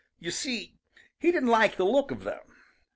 You see, he didn't like the look of them.